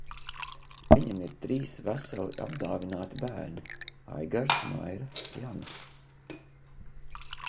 Viņam ir trīs veseli, apdāvināti bērni – Aigars, Maira, Jana.